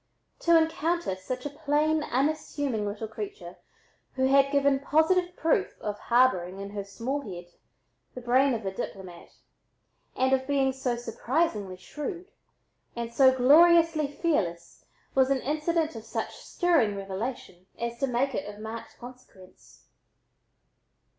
To encounter such a plain unassuming little creature who had given positive proof of harboring in her small head the brain of a diplomat and of being so surprisingly shrewd, and so gloriously fearless, was an incident of such stirring revelation as to make it of marked consequence.